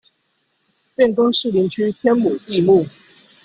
變更士林區天母地目